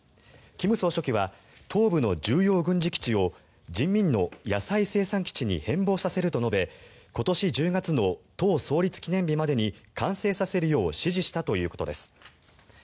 金総書記は東部の重要軍事基地を人民の野菜生産基地に変ぼうさせると述べ今年１０月の党創立記念日までに完成させるよう指示したということです。